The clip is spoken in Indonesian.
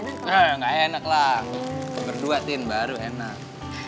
enggak enaklah berdua tin baru enak